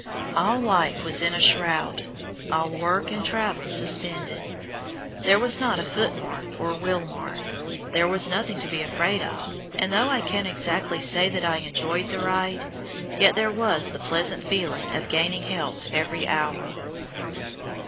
All life was in a shroud, all work and travel suspended. There was not a foot mark or wheel mark. There was nothing to be afraid of; and though I can't exactly say that I enjoyed the ride, yet there was the pleasant feeling of gaining health every hour.